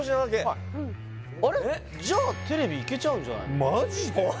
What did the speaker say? はいあれじゃあテレビいけちゃうんじゃない？